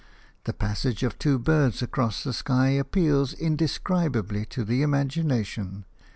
The passage of two birds across the sky appeals indescribably to the imagination.